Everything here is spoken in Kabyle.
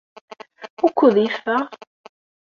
Wukud yeffeɣ?